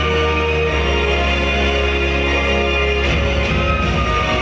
เมื่อเวลาอันดับสุดท้ายมันกลายเป้าหมายเป้าหมาย